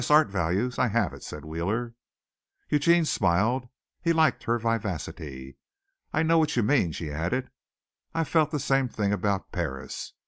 'Art values.' I have it," said Wheeler. Eugene smiled. He liked her vivacity. "I know what you mean," she added. "I've felt the same thing about Paris.